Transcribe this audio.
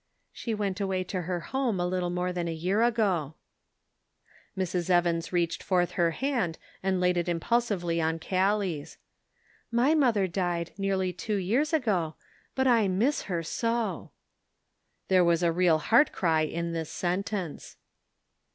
"She went away to her home a little more than a year ago." Mrs. Evans reached forth her hand and laid it impulsively on Callie's. Their Jewels. 39 " My mother died nearly two years ago, but I miss her so !" There was a real heart cry in the sentence.